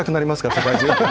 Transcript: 世界中に。